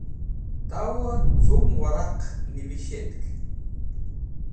Tawẽ cum wẽraq nivishtk?